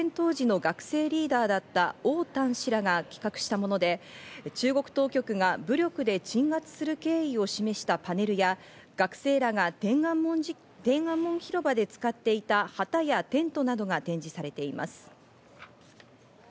展示会は３３年前の事件当時の学生リーダーだったオウ・タン氏らが企画したもので、中国当局が武力で鎮圧する経緯を示したパネルや学生らが天安門広場で使っていた旗やテントなどが展示されています。